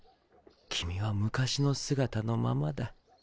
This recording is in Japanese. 君は昔の姿のままだ。